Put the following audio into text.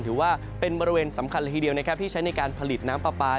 ถือว่าเป็นบริเวณสำคัญละทีเดียวนะครับที่ใช้ในการผลิตน้ำปลาปลา